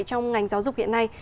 trong ngành giáo dục hiện nay